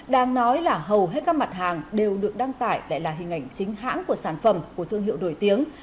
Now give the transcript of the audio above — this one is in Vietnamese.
đang nói là hầu hết các mặt hàng đều được đăng tải lại là hình ảnh chính hãng của sản phẩm của thương hiệu nổi tiếng